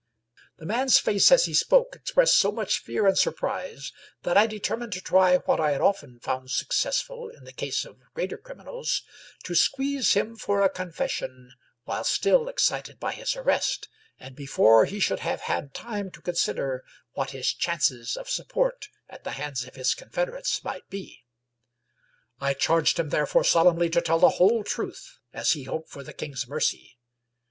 The man's face as he spoke expressed so much fear and surprise that I determined to try what I had often found successful in the case of greater criminals, to squeeze him for a confession while still excited by his arrest, and before he should have had time to consider what his chances of support at the hands of his confederates might be. I charged him therefore solemnly to tell the whole truth as he hoped for the king's mercy.